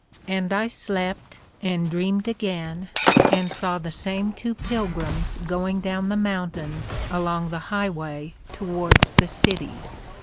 And I slept, and Dreamed again, and saw the same two Pilgrims going down the Mountains along the High way towards the City.